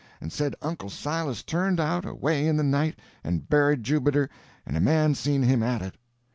And said Uncle Silas turned out, away in the night, and buried Jubiter, and a man seen him at it.